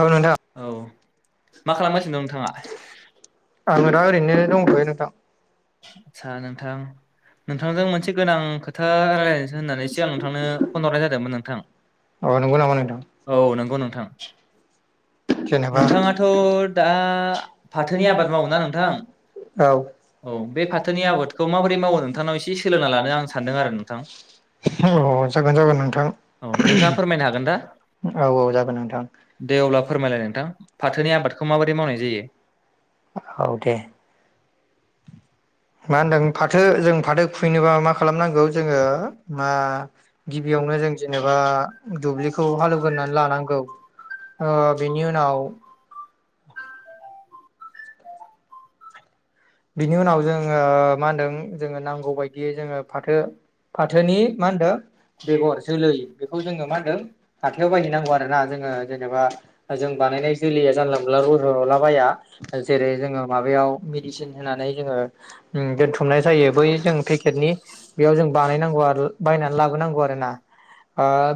औ नोंथां औ मा खालामगासिनो दङ नोंथाङा आङो दा ओरैनो दंथ'यो नोंथां। आस्सा नोंथां नोंथांजों मोनसे गोनां खोथा रायजलायनोसै होननानैसो आं नोंथांनो फन हरनाय जादोंमोन नोंथां अ नंगौ नामा नोंथां औ नंगौ नोंथां। जेनेबा नोंथाङाथ' दा फाथोनि आबाद मावो ना नोंथां औ औ बे फाथोनि आबादखौ माबोरै मावो नोंथांनाव नोंथांनाव‌ एसे इसे सोलोंना सोलोंना‌ लानो लानो‌ आं आंङो सानदों सानदों‌ आरो आरो‌ नोंथां नोंथां औ औ जागोन जागोन नोंथां औ नोंथाङा फोरमायनो हागोन दा औ जागोन‌ नोंथां दे‌ अब्ला। [inaudible] फाथोनि आबादखौ माबादियै मावनाय जायो? औ दे। मा होनदों फाथो जों फाथो खुहैनोबा मा खालामनांगौ जोङो मा गिबियावनो जों जेनेबा दुब्लिखौ हालेवगोननानै लानांगौ ओ बेनि उनाव बिनि उनाव जोङो मा होनदों जोङो नांगौ बायदियै जोङो फाथो फाथोनि मा होनदोंबेगर जोलै बेखौ जोङो मा होनदों हाथायाव बायहैनांगौ आरोना जोङो जेनेबा जों बानायनाय जोलैया जानला मोनला रज'लाबाया जेरै जोङो माबायाव मेदिसिन नानै जोङो उम दोनथुमनाय जायो बै जों पेकेटनि बेयाव जों बानायनांगौ आरो बायनानै लाबोनांगौ आरोना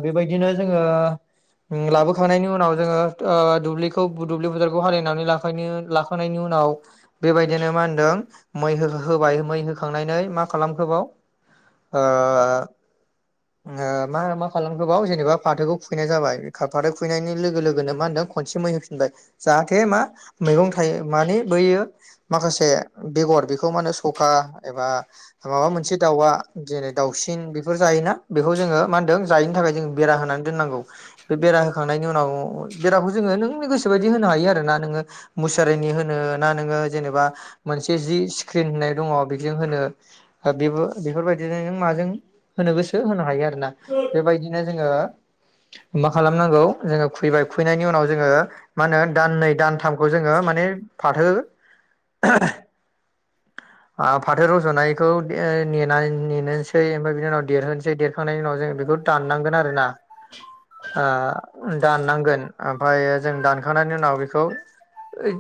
बेबायदिनो जोङो उम लाबोखांनायनि उनाव जोङो ओ दुब्लिखौ बोदुब्लिफोथारखौ हालिनानै लाखायनो लाखानायनि उनाव बेबायदिनो मान [unintelligible] मै हो-हो होबाय मै होखांनानै मा खालामखोबाव ओ ओ मा मा खालामखो बाव जेनेबा फाथोखौ खुबैनाय जाबाय फाथो खुबैनायनि लोगो लोगोनो मा होनदों खनसे मै होफिनबाय जाहाथे मा मैगं थायो माने बैयो माखासे बेगर बेखौ मा होनो सखा एबा माबा मोनसे दाउआ जेरै दाउसिन बेफोर जायोना बेखौ जोङो मा होनदों जायिनि थाखाय जों बेरा होनानै दोननांगौ बे बेरा होखांनायनि उनाव बेराखौ जोङो नोंनि गोसो बायदि होनो हायो आरो ना नोङो मुसारिनि होनो ना नोङो जेनेबा मोनसे जि स्क्रिन होननाय दङ बेजों होनो ओ बेबो बेफोरबायदिनो नों माजों होनो गो सो होनो हायो आरोना बेबायदिनो जोङो मा खालामनांगौ जोङो खुबैबाय खुबैनायनि उनाव जोङो मा होनो दाननै दानथामखौ जोङो माने फाथो आ फाथो रज'नायखौ ओ नेनाय नेनोसै ओमफ्राय बिनि उनाव देरहोनो सै बे देरखांनायनि उनाव जों बेखौ दाननांगोन आरोना ओ दाननांगोन ओमफ्राय जों दानखांनायनि उनाव बेखौ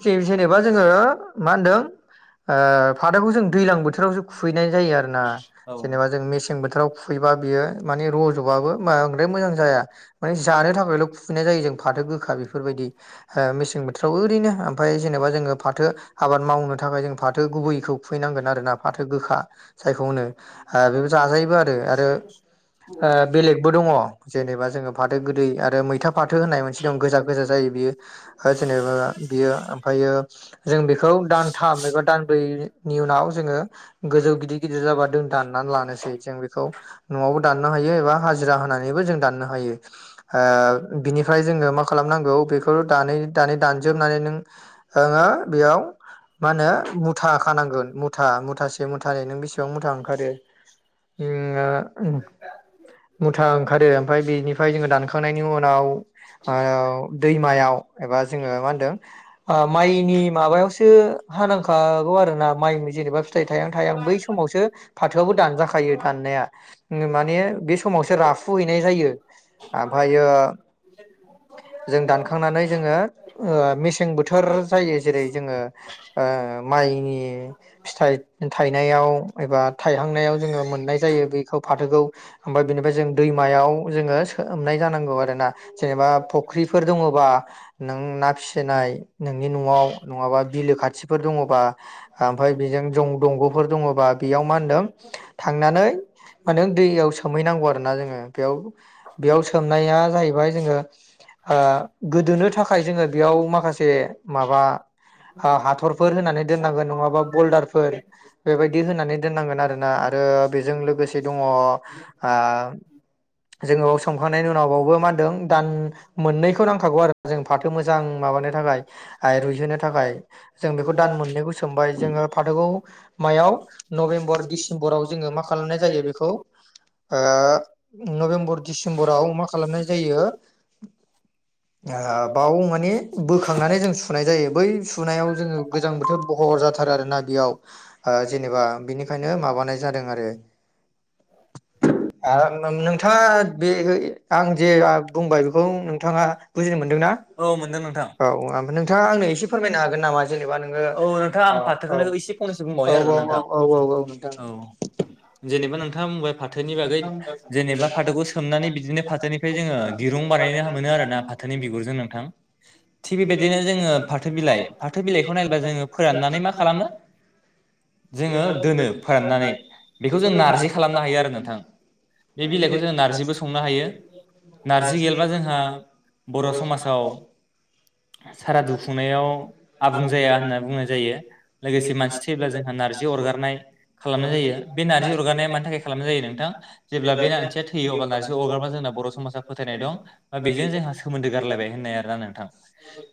जे-जेनेबा जोङो मा होनदों ओ फाथोखौ जों दैलां बोथोरावसो खुबैनाय जायो आरो ना औ जेनेबा जों मेसें बोथोराव खु बा बियो माने रज'बाबो बांद्राय मोजां जाया। माने जानो थाखायल' खुबैनाय जायो जों फाथो गोखा बेफोरबायदि ओ मेसें बोथोराव ओरैनो ओमफ्राय जेनेबा जोङो फाथो आबाद मावनो था फाथो गुबैखौ खुबैनांगोन आरोना फाथो गोखा जायखौ होनो ओ बेबो जाजायोबो आरो ओ बेलेगबो दङ जेनेबा जोङो फाथो गोदै आरो मैथा फाथो होननाय मोनसे दं गोजा गोजा जायो बियो ओ जेनेबा बियो ओमफ्रायो जों बेखौ दानथाम दानब्रैनि उनाव जोङो गोजौ गिदिर गिदिर जाबा जों दाननानै लानोसै जों बेखौ। न'आवबो दाननो हायो एबा हाजिरा होनानैबो जों दाननो हायो ओ बिनिफ्राय जोङो मा खालामनांगौ बेखौ दानै दानै दानजोबनानै नों ओ बेयाव मा होनो मुथा खानांगोन मुथा मुथासे मुथानै नों बेसेबां मुथा ओंखारो ओ ओ मुथा ओंखारो ओमफ्राय बेनिफ्राय जोङो दानखांनायनि उनाव ओ दैमायाव एबा जोङो मा होनदों ओ माइनि माबायावसो हानांखागौ आरोना माइनि जेनेबा फिथाइ थायां थायां बै समावसो फाथोआबो दानजाखायो। दाननाया माने बे समावसो राफुहैनाय जायो ओमफ्रायो जों दानखांनानै जोङो ओ मेसें बोथोर जायो जेरै जोङो ओ माइनि फिथाइ थाइनायाव एबा थायहांनायाव जोङो मोननाय जायो बेखौ फाथोखौ ओमफ्राय बेनिफ्राय जों दैमायाव जोङो सोमनाय जानांगौ आरोना जेनेबा फुख्रिफोर दङबा नों ना फिसिनाय नोंनि न'आव नङाबा बिलो खाथिफोर दङबा ओमफ्राय बेजों जं दंग'फोर दङबा बेयाव मा होनदों थांनानै माने दैयाव सोमहैनांगौ आरो ना जोङो बेयाव बेयाव सोमनाया जाहैबाय जोङो ओ गोदोनो थाखाय जोङो बेयाव माखासे माबा हा-हाथरफोर होनानै दोनांगोन नङाबा बल्दारफोर बेबायदि होनानै दोननांगोन आरोना आरो बेजों लो गोसे दङ ओ जोङो संखांनायनि उनाव बावबो मा होनदों दान मोननैखौ नांखागौ आरो जों फाथो मोजां माबानो थाखाय रुइहोनो थाखाय जों बेखौ दान मोननैखौ सोमबाय जोङो फाथोखौ मायाव नभेम्बर डिसेम्बराव जोङो मा खालामनाय जायो बेखौ ओ नबेमबर डिसिमबराव मा खालामनाय जायो ओ बाव माने बोखांनानै जों सुनाय जायो बै सु सुनायाव जोङो गोजां बोथोर बह'र जाथारो आरो ना बेयाव ओ नो-नोंथाङा बे आं जे बुंबाय बेखौ नोंथाङा बुजिनो मोनदोंना औ मोनदों नोंथां औ नोंथाङा आंनो एसे फोर फोरमायनो हागोन नामा जेनेबा नोङो औ नोंथां आं औ फाथोखौनो एसे फंनैसो बुंबावनि आरो औ नोंथां औ औ औ नोंथां जेनेबा नोंथां फाथोनि बागै जेनेबा फाथोखौ सोमनानै बिदिनो फाथोनिफ्राय जोङो दिरुं बानायनो मोनो आरोना फाथोनि बिगुरजों नोंथां थिग बेबायदिनो जोङो फा बिलाइ फाथो बिलाइखौ नायब्ला जोङो फोराननानै मा खालामो जोङो दोनो फोराननानै बेखौ जों नारजि खालामनो हायो आरो नोंथां बे बिलाइखौ जों नार्जिबो संनो हायो नारजि गैबा जोंहा बर' समाजाव सारा दु खुंनायाव आबुं जाया होनना बुंनाय जायो लोगोसे मानसि थैब्ला जोंहा नारजि अरगारनाय खालामनाय जायो बे नारजि अरगारनाय मानि थाखाय खालामनाय जायो नोंथां? जेब्ला बे मानसिया थैयो अब्ला नार्जि अगारबा जोंना बर' समाजा फोथायनाय दं बा बेजों जोंहा सोमोन्दो गारलायबाय होननाय आरोना नोंथां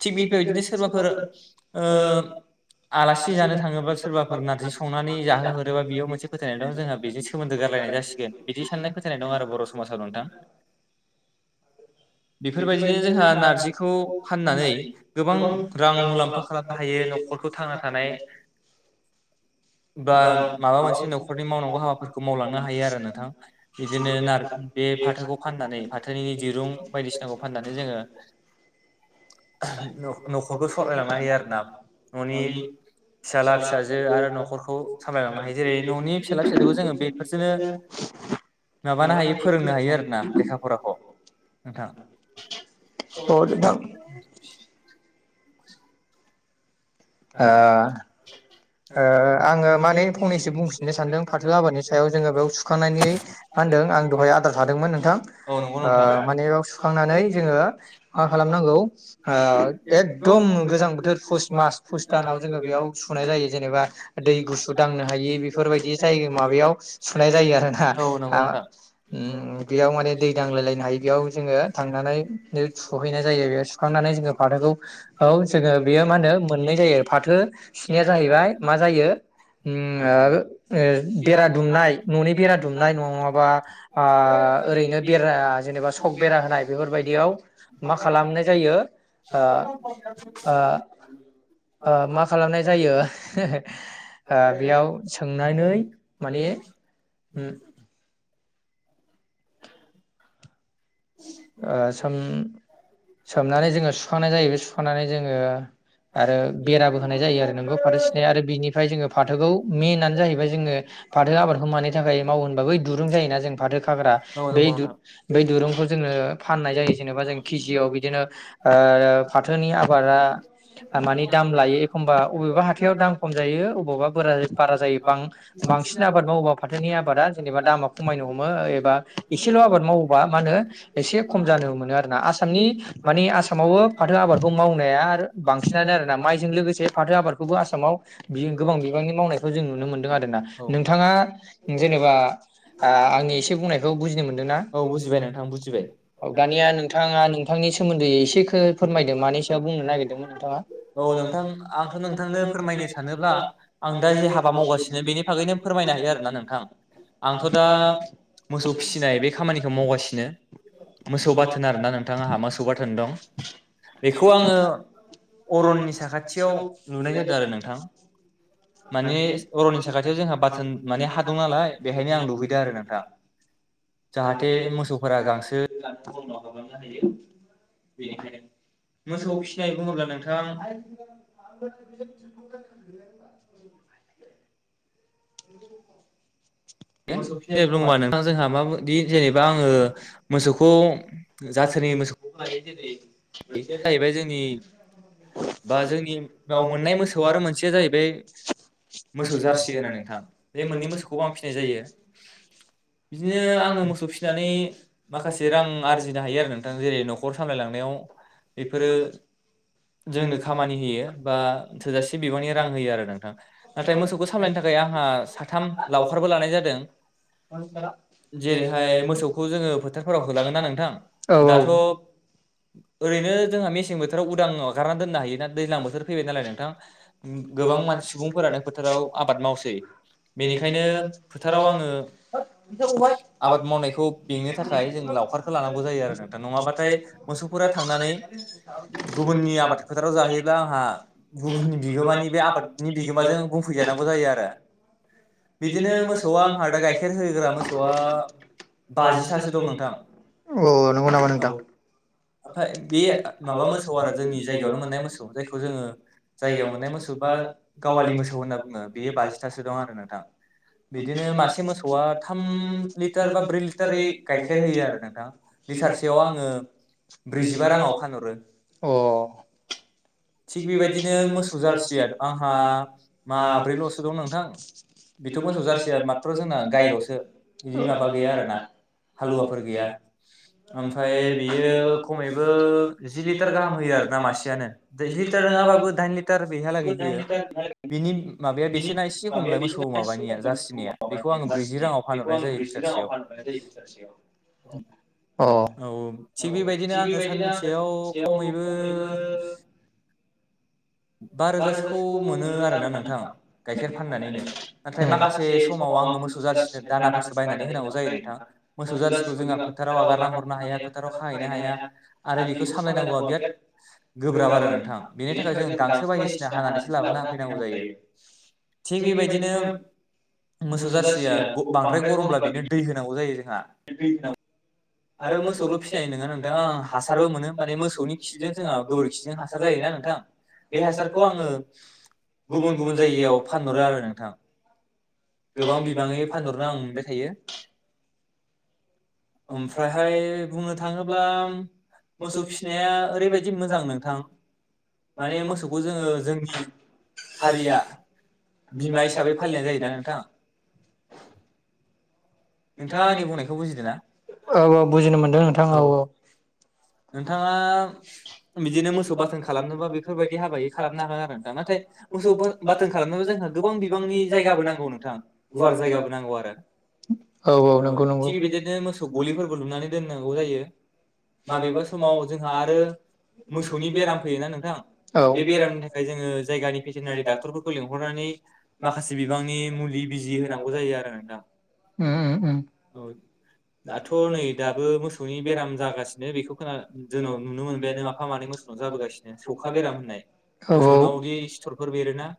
थिग बे बेबायदिनो सोरबाफोर ओ आलासि जानो थाङोबा सोरबाफोर नारजि संनानै जाहोहरोबा बेयाव मोनसे फोथायनाय दं जोंहा बेजों सोमोन्दो गारलायनाय जासिगोन। बिदि साननाय फोथायानाय दं आरो बर' समाजाव नोंथां बेफोरबायदिनो जोंहा नारजिखौ फाननानै गोबां रां मुलाम्फा खालामनो हायो न'खरखौ थांना थानाय बा माबा मोनसे न'खरनि मावनांगौ हाबाफोरखौ मावलांनो हायो आरो नोंथां बिदिनो नार बे फाथोखौ फाननानै फाथोनि दिरुं बायदिसिनाखौ फाननानै जोङो नख-न'खरखौ सामलायलांनो हायो आरो ना न'नि फिसाज्ला फिसाजो आरो न'खर सामालायलांनो हायो जेरै न'नि फिला फिसाखौ जोङो बेफोरसनो माबानो हायो फोरोंनो हायो आरो ना लेखा फराखौ नोंथां। औ नोंथां ओ ओ आङो माने फंनैसो बुंफिफिननो सानदों फाथो आबादनि सायाव जोङो बेयाव सुखांनायनि मा होनदों आं दहाय आद्रा थादोंमोन नोंथां औ नंगौ नोंथां माने बेयाव सुखांनानै जोङो मा खालामनांगौ एकदम गोजां बोथोर पुस मास पुस दानाव जोङो बेयाव सुनाय जायो जेनेबा दै गुसु दांनो हायि बेफोरबायदि जायग माबायाव सुनाय जायो आरोना औ नंगौ ओ नोंथां बेयाव माने दै दांलाय लायनो हायि बेयाव जोङो थांनानै सुहैनाय जायो बे सुखांनानै जोङो फाथोखौ औ जोङो बेयो मा होनो मोननाय जायो फाथो सिनाया जाहैबाय मा जायो उम ओ मा खालामनाय जायो बेयाव सोमनानै माने उम ओ सोम सोमनानै जोंङो सुखांनाय जायो बे सुखांनानै जोङो आरो बेराबो होनाय जायो आरो नोंगौ फाथो सिनाय आरो बिनिफ्राय जोंङो फाथोखौ मेनानो जाहैबाय जोंङो फाथो आबादखौ मानि थाखाय माव होनबा बै दुरुं जायोना जों फाथो खाग्रा औ बे नंगौ नोंथां बै दुरुंखौ जोंङो फनाय जायो जेनेबा जों केजयाव बिनो ओ फाथोनि आबा मानि लायो एखबा अबेबा हाथाया दाम खम अबावबा बारा बारा जायो बांसिन आबाद मावबा फाथोनि आबादा जेनेबा दामा खमायनो हम हमो एबा एसेल आबाद मावोबा मा होनो? एसे खम जानो मोनो आरोना आसामनि मानि आसामावबो फाथो आबादखौ मावनाया बांसिनानो आरोना माइजों लोगोसे फाथो आबादखौबो आसामाव बो गोबां बिबांनि मावनायखौ जों नुनो मोनदों आरो ना नोंथाङा औ जेनेबा ओ आंनि एसे बुंनायखौ बुजिनो मोनदोंना? औ बुजिबाय नोंथां बुजिबाय औ दानिया नोंथाङा नोंथांनि सोमोन्दै एसेखौ फोरमायदों मानि सायाव बुंनो नागिरदोंमोन नोंथाङा औ नोंथां आंथ' नोंथांनो फोरमायनो सानोब्ला आं दा जे हाबा मावगासिनो बेनि बागैनो फोरमायनो हायो आरोना नोंथां आंथ' दा मोसौ फिसिनाय बे खामानिखौ मावगासिनो मोसौ बाथोन आरोना नोंथां आंहा मोसौ बाथोन दं बेखौ आङो अरननि साखाथियाव लुनाय जादों आरो नोंथां माने अरननि साखाथियाव जोंहा बाथोन माने हा दं नालाय बेहायनो आं लुहैदों आरो नोंथां जाहाथे मोसौफोरा [unintelligible] [unintelligible] [unintelligible] जेनेबा बुङोबा नोंथां जोंहा माबायदि जेनेबा आङो मोसौखौ जाथोनि मोसौ जाहैबाय जोंनि बा जोंनियाव मोननाय मोसौ आरो मोनसेया जाहैबाय मोसौ जारसि होनो नोंथां बे मोननै मोसौखौबो आं फिसिनाय जायो [inaudible] बिदिनो आंङो मोसौ फिनानै माखासे रां आरजिनो हायो आरो नोंथां जेरै नखर सामलायलांनायाव बेफोरो जोंनो खामानि होयो बा थोजासे बिबांनि रां होयो आरो नोंथां नाथाय मोसौखौ सामलायनो थाखाय आंहा साथाम लावखारबो लानाय जादों जेरैहाय मोसौखौ जोङो फोथारफोराव होलाङोना नोंथां दाथ' [inaudible] ओरैनो जोंहा मेसें बोथोराव उदां हगारना दोननो हायो ना दैज्लां बोथोर फैबाय नालाय नोंथां गोबां मानसि सुबुंफोरानो फोथाराव आबाद मावसै बेनिखायनो फोथाराव आं मावनायखौ बेंनो थाखाय जों लावखारखौ लानांगौ जायो आरो नोंथां नङाबाथाय मोसौफोरा थांनानै [inaudible] गुबुननि आबाद फोथाराव जाहैयोब्ला आंहा गुबुननि बिगोमानि बे आबादनि बिगोमाजों बुंफैजानांगौ जायो आरो बिदिनो [inaudible] [unintelligible] गाइखेर होग्रा मोसौआ बाजिथासो दं नोंथां औ नंगौ नामा औ [unintelligible] बे माबा मोसौ आरो जोंनि जायगायावनो मोननाय मोसौ जायखौ जोंङो जायगायाव मोननाय मोसौ बा गावालि मोसौ होनना बुंङो बेयो बाजिथासो दं आरो नोंथां बिदिनो मासे [unintelligible] मोसौआ थाम लिटार बा ब्रै लिटारै गाइखेर होयो आरो नोंथां लिटारसेयाव आंङो [inaudible] अ थिग बेबायदिनो मोसौ जारसिया आंहा माब्रैल'सो दं नोंथां बेथ' मोसौ जारसिया मा [unintelligible] [unintelligible] जोंना गायलसो जि माबा गैया आरोना हालुवाफोर गैया ओमफाय बेयो खमैबो जि लिटार गाहाम होयो आरोना मासेयानो [unintelligible] लिटार नङाबाबो दाइन लिट टार बेहालागै होयो बिनि माबाया बेसना एसे खमलाय मोसौ माबानिया जाारसिनाया औ थिग बेबायदिनो आङो सानसेयाव खमैबो अ बा रोजासोखौ मोनो आरोना नोंथां गाइखेर फाननानैनो नाथाय माखासे माव आं मोसौ जारसिफोरनो दानाफोरसो बायनानै होनांगौ जायो नोंथां मोसौ जारसिखौ जोंहा फोथाराव आगारना हरनो हाया फोथाराव खाहैनो हाया आरो बेखौ सामलायनांगौआ बिराद गोब्राब आरो नोंथां बेनि थाखाय जों गांसो हानानैसो लाबोना होफैनांगौ जायो थिग बेबायदिनो मोसौ जारसिया ग बांद्राय गरमब्ला बिनो दै होनांगौ जायो जोंहा [unintelligible] आरो मोसौल फिसनाय नङा नोंथाङा आं हासारबो मोनो माने मोसौनि खिजों जोंहा गोबोरखिजों हासार जायोना नोंथां बे हासारखौ आङो गुबुन-गुबुन जायगायाव फानहरो आरो नोंथां गोबां बिबाङै फानहरनो आं मोनबाय थायो ओमफ्रायहाय बुंनो थाङोब्ला मोसौ फिसिनाया ओरैबायदि मोजां नोंथां माने मोसौखौ जोङो जोंनि हारिया बिमा हिसाबै फालिनाय जायो ना नोंथां नोंथाङा आंनि नोंथाङा बुंनायखौ बुजिदोंना बुजिदों ना औ औ बुजिदों नोंथां औ औ नोंथाङा बिदिनो नोंथाङा मोसौ बाथोन खालामनोबा बेफोरबायदि बिदिनो मोसौ हाबायै बाथोन खालामनो खालामनोबा हागोन बेफोरबायदि आरो हाबायै नोथां खालामनो हागोन नाथाय आरो नोंथां मोसौ नाथाय बाथोन मोसौ खालामनोबा बाथोन जोंहा गोबां बिबांनि जायगाबो नांगौ नों थां गुवार जायगाबो नांगौ आरो औ औ थिग बिदिनो मोसौ गलिफोरखौ लुनानै दोननांगौ जायो माबेबा समाव जोंहा आरो मोसौनि बेराम फैयोना नोंथां बे औ बेरामनि थाखाय जोङो जायगानि भेटेनारि डाक्टरफोरखौ लिंहरनानै माखासे बिबांनि मुलि बि बिजि होनांगौ जायो आरो नोंथां उम उम औ दाथ' नै दाबो मोसौनि बेराम जागासिनो बेखौ खोना जोंनाव नुनो मोनबायानो माफा मानै मोसौनाव जाबोगासिनो सौखा बेराम होननाय औ मोसौनावदि सिथरफोर बेरोना